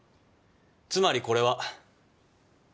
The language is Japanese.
つまりこれは。